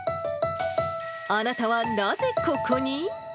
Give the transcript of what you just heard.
あなたはなぜここに？